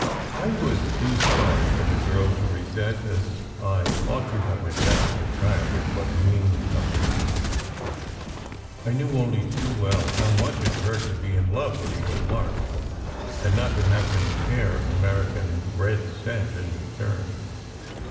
I was too sorry for the girl to resent as I ought to have resented her childish but mean abuse. I knew, only too well, how much it hurt to be in love with Eagle March, and not to have him care an American red cent in return.